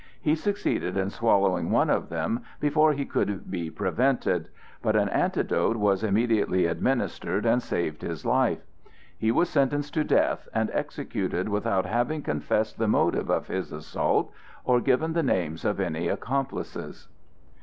He succeeded in swallowing one of them before he could be prevented, but an antidote was immediately administered and saved his life. He was sentenced to death and executed without having confessed the motive of his assault or given the names of any accomplices.